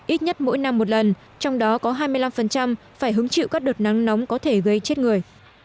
ít nhất mỗi năm một lần trong đó có hai mươi năm phải hứng chịu các đợt nắng nóng có thể gây chết người